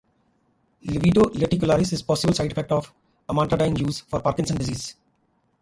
Livedo reticularis is a possible side effect of amantadine use for Parkinson's disease.